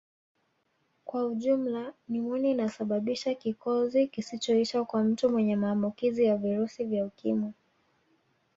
Kwa ujumla nimonia inasababisha kikozi kisichoisha kwa mtu mwenye maambukizi ya virusi vya Ukimwi